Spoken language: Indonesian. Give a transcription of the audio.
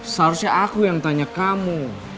seharusnya aku yang tanya kamu